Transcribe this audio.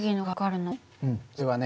実はね